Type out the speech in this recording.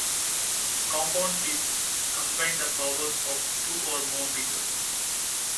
Compound pieces combine the powers of two or more pieces.